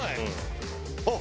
あっ！